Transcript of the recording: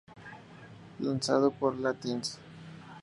Lanzado por Lantis.